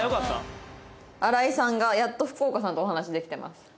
荒井さんがやっと福岡さんとお話できてます。